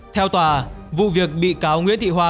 theo tòa vụ việc bị cáo nguyễn thị hoa